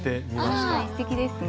すてきですね。